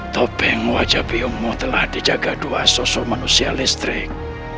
topeng wajah biungmu telah dijaga dua sosok manusia listrik